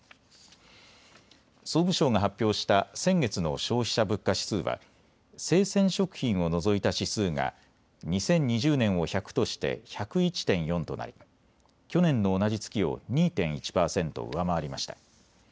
総務省が発表した先月の消費者物価指数は生鮮食品を除いた指数が２０２０年を１００として１０１．４となり去年の同じ月を２．１％上回りました。